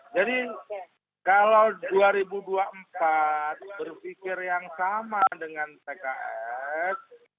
jadi kalau dua ribu dua puluh empat berpikir yang sama dengan pks